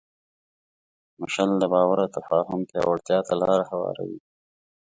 مشعل د باور او تفاهم پیاوړتیا ته لاره هواروي.